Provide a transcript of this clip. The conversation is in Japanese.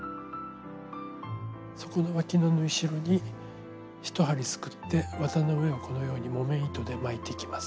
底のわきの縫い代に１針すくって綿の上をこのように木綿糸で巻いていきます。